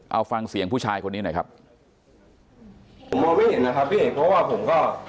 เอาฟังเสียงผู้ชายคนนี้หน่อยครับผมมองไม่เห็นนะครับพี่เอกเพราะว่าผมก็